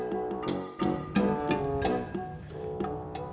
tidak ada yang bisa dipercaya